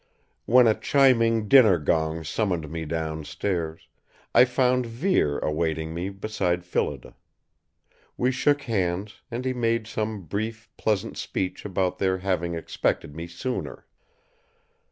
When a chiming dinner gong summoned me downstairs, I found Vere awaiting me beside Phillida. We shook hands, and he made some brief, pleasant speech about their having expected me sooner.